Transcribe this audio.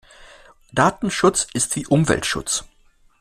Datenschutz ist wie Umweltschutz.